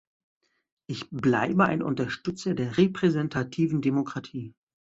Ich bleibe ein Unterstützer der repräsentativen Demokratie.